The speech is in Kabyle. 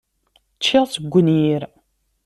Ččiɣ-tt deg unyir.